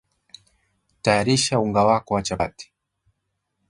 Tayarisha unga wako wa chapati